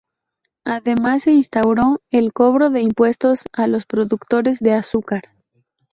Además se instauró el cobro de impuestos a los productores de azúcar.